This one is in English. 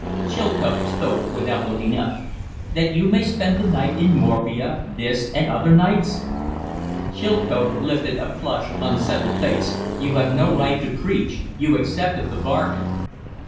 Chilcote spoke without looking up. "That you may spend the night in morphia this and other nights?" Chilcote lifted a flushed, unsettled face. "You have no right to preach. You accepted the bargain."